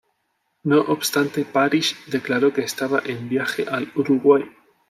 No obstante, Parish declaró que estaba en viaje al Paraguay.